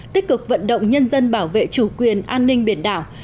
tích cực vận động nhân dân bảo vệ chủ quyền an ninh biển đảo